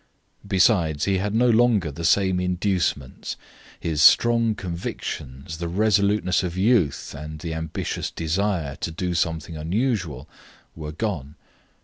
Besides, he had no longer the same inducements; his strong convictions, the resoluteness of youth, and the ambitious desire to do something unusual were gone.